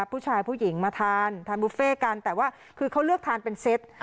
ผู้หญิงมาทานทานบุฟเฟ่กันแต่ว่าคือเขาเลือกทานเป็นเซต